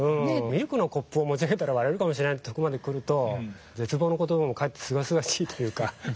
「ミルクのコップを持ち上げたら割れるかもしれない」というところまでくると絶望の言葉もかえってすがすがしいというか。